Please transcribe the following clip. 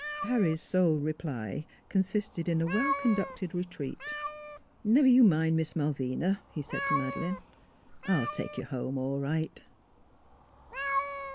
" Harry's sole reply consisted in a well conducted retreat. " Never you mind Miss Malvina," he said to Madeleine, " I'll take you home all right."